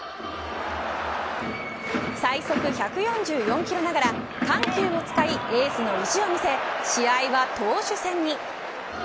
最速１４４キロながら緩急を使いエースの意地を見せ試合は投手戦に。